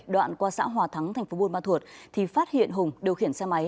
đoạn qua xã hòa thắng tp buôn ma thuột thì phát hiện hùng điều khiển xe máy